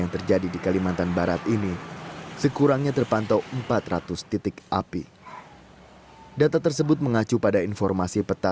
tetapi sejumlah siswa dan wali murid belum mengetahui informasi ini